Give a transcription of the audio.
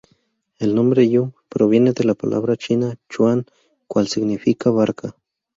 El nombre "jung" proviene la palabra china "chuan" cuál significa barca.